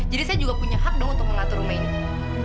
jadi saya juga punya hak dong untuk mengatur rumah ini